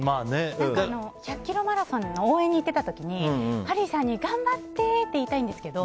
何か１００ｋｍマラソンの応援に行ってた時にハリーさんに頑張って！って言いたいんですけど。